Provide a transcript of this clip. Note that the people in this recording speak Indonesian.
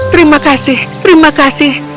terima kasih terima kasih